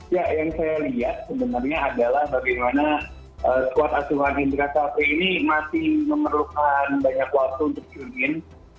ya yang saya lihat sebenarnya adalah bagaimana skuad asuhan indra safri ini masih memerlukan banyak waktu untuk studin